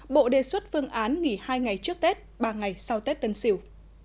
bộ đề xuất phương án nghỉ hai ngày trước tết ba ngày sau tết tân sỉu